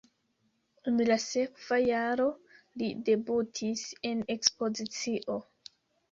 En la sekva jaro li debutis en ekspozicio.